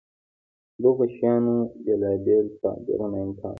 دغو شیانو بېلابېل تعبیرونه امکان لري.